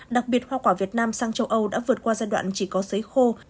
đặc biệt hoa quả việt nam sang châu âu đã vượt qua giai đoạn chỉ có xấy khô